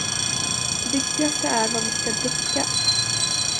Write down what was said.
Det viktigaste är, vad vi ska dricka!